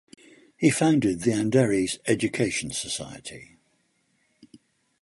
He founded the Andheri Education Society.